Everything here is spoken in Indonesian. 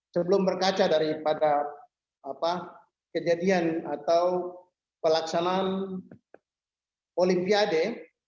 sebelum berkaca daripada kejadian atau pelaksanaan olimpiade